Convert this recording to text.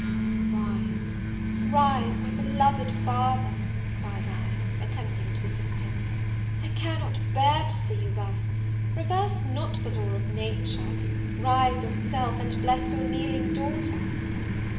"Oh, rise, rise, my beloved father," cried I, attempting to assist him; "I cannot bear to see you thus; reverse not the law of nature; rise yourself, and bless your kneeling daughter!"